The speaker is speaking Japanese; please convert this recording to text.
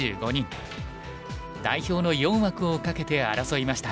代表の４枠を懸けて争いました。